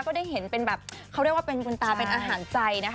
ก็ได้เห็นเป็นแบบเขาเรียกว่าเป็นคุณตาเป็นอาหารใจนะคะ